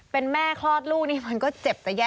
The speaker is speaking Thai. เป็นแม่คลอดลูกนี่มันก็เจ็บจะแย่